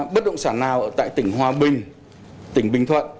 bất động sản nào tại tỉnh hòa bình tỉnh bình thuận